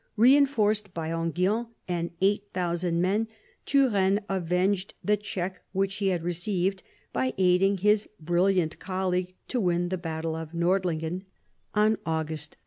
Eeinforced by Enghien and eight thousand men, Turenne avenged the check which he had received by aiding his brilliant colleague to win the battle of Nordlingen on August 3.